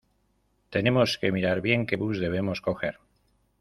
Tenemos que mirar bien qué bus debemos coger.